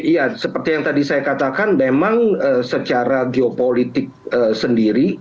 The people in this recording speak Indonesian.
ya seperti yang tadi saya katakan memang secara geopolitik sendiri